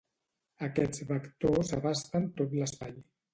Aquests vectors abasten tot l'espai.